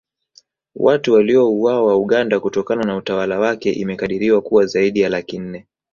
Watu waliouawa Uganda kutokana na utawala wake imekadiriwa kuwa zaidi ya laki nne